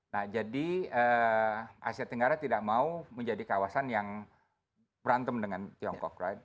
nah jadi asia tenggara tidak mau menjadi kawasan yang berantem dengan tiongkok